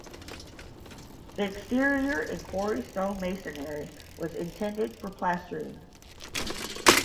The exterior in quarry stone masonry was intended for plastering.